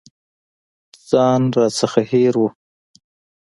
ځان رانه هېر و.